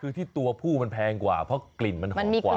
คือที่ตัวผู้มันแพงกว่าเพราะกลิ่นมันหอมกว่า